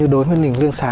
đối với đỉnh lương xá